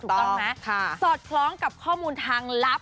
ถูกต้องไหมสอดคล้องกับข้อมูลทางลับ